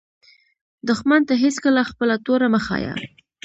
دښمن ته هېڅکله خپله توره مه ښایه